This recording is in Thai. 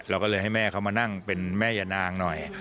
เราก็เลยให้แม่เขามานั่งเป็นแม่ยานางหน่อย